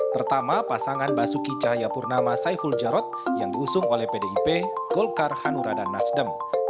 pertama pasangan basuki cahayapurnama saiful jarod yang diusung oleh pdip golkar hanura dan nasdem